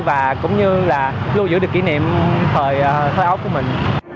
và cũng như là lưu giữ được kỷ niệm thời thói ốc của mình